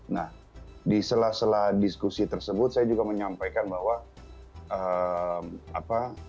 nah di sela sela diskusi tersebut saya juga menyampaikan bahwa